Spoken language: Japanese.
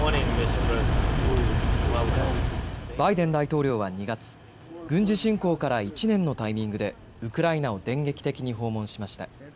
バイデン大統領は２月、軍事侵攻から１年のタイミングでウクライナを電撃的に訪問しました。